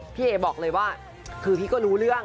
พี่เอ๋บอกเลยว่าคือพี่ก็รู้เรื่อง